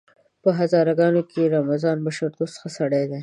په هزاره ګانو کې رمضان بشردوست ښه سړی دی!